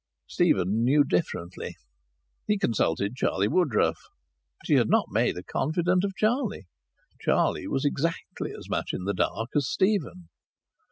Stephen knew differently. He consulted Charlie Woodruff. She had not made a confidant of Charlie. Charlie was exactly as much in the dark as Stephen.